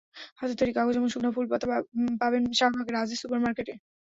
হাতে তৈরি কাগজ এবং শুকনো ফুল পাতা পাবেন শাহবাগের আজিজ সুপার মার্কেটে।